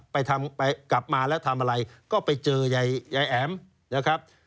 กลับมาแล้วทำอะไรก็ไปเจอยายแอ๋มนะครับ